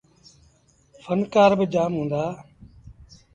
ڦنڪآر با جآم هُݩدآ۔